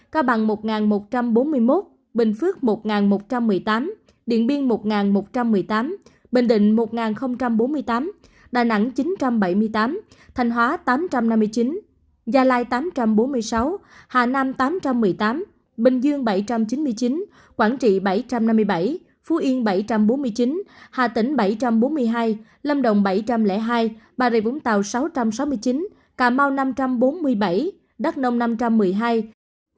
cao bằng một một trăm bốn mươi một bình phước một một trăm một mươi tám điện biên một một trăm một mươi tám bình định một bốn mươi tám đà nẵng chín bảy mươi tám thành hóa tám năm mươi chín gia lai tám bốn mươi sáu hà nam tám một mươi tám bình dương bảy chín mươi chín quảng trị bảy năm mươi bảy phú yên bảy bốn mươi chín hà tỉnh bảy bốn mươi hai lâm đồng bảy hai bà rịa vũng tàu sáu sáu mươi chín cà mau năm bốn mươi bảy đắk nông năm một mươi hai hà tỉnh bảy bốn mươi hai đà nẵng bảy bốn mươi hai thành hóa tám năm mươi chín gia lai tám bốn mươi sáu hà nam tám một mươi tám bình dương bảy chín mươi chín quảng trị bảy năm mươi bảy phú yên bảy bốn mươi chín hà tỉnh bảy bốn mươi chín hà